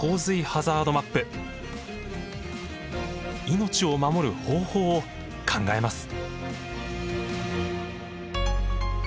命を守る方法を考えます。